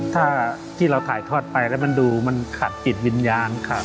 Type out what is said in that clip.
ถ้าที่เราถ่ายทอดไปแล้วมันดูมันขัดจิตวิญญาณขาด